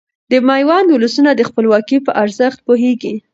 د ميوند ولسونه د خپلواکۍ په ارزښت پوهيږي .